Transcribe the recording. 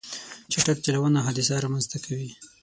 چټک چلوونه حادثه رامنځته کوي.